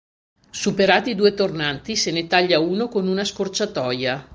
Superati due tornanti se ne taglia uno con una scorciatoia.